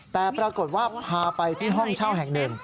แต่ปรากฏว่าพาไปที่ห้องเช่าแห่งหนึ่ง